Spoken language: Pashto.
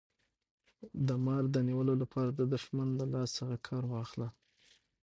د مار د نیولو لپاره د دښمن د لاس څخه کار واخله.